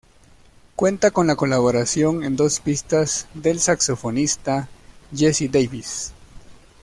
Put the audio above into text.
Cuenta con la colaboración en dos pistas del saxofonista Jesse Davis.